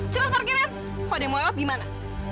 cepet parkirin kalo ada yang mau lewat gimana